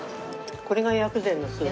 これが薬膳のスープ？